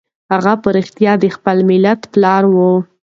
هغه په رښتیا د خپل ملت پلار و.